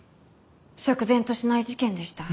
釈然としない事件でした。